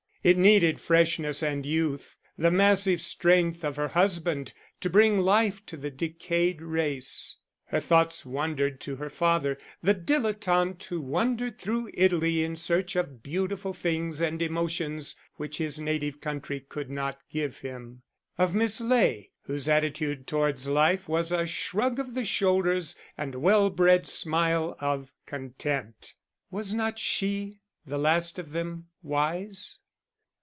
It needed freshness and youth, the massive strength of her husband, to bring life to the decayed race. Her thoughts wandered to her father, the dilettante who wandered through Italy in search of beautiful things and emotions which his native country could not give him; of Miss Ley, whose attitude towards life was a shrug of the shoulders and a well bred smile of contempt. Was not she, the last of them, wise?